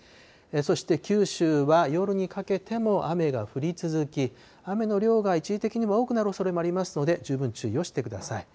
そして九州は夜にかけても雨が降り続き、雨の量が一時的には多くなるおそれもありますので、十分注意をしてください。